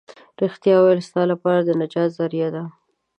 رښتيا ويل ستا لپاره د نجات ذريعه ده.